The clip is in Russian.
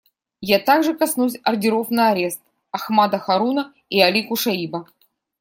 Я также коснусь ордеров на арест Ахмада Харуна и Али Кушаиба.